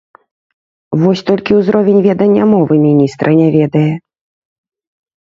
Вось толькі ўзровень ведання мовы міністра не ведае.